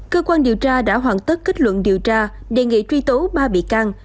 cơ quan điều tra đã hoàn tất kết luận điều tra đề nghị truy tố ba bị can